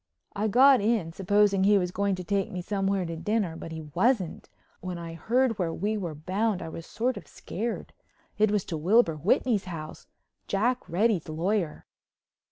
I got in, supposing he was going to take me somewhere to dinner, but he wasn't. When I heard where we were bound I was sort of scared—it was to Wilbur Whitney's house, Jack Reddy's lawyer.